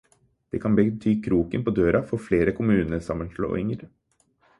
Det kan bety kroken på døra for flere kommunesammenslåinger.